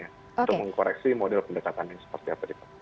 untuk mengkoreksi model pendekatan yang seperti apa itu